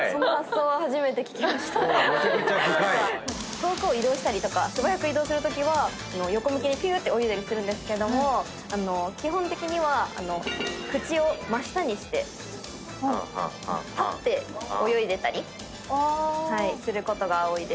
遠くを移動したりとか素早く移動するときは横向きに泳いだりするんですけども基本的には口を真下にして立って泳いでたりすることが多いです。